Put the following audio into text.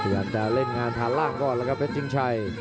อยากจะเล่นงานฐานล่างก่อนแล้วครับเพชรชิงชัย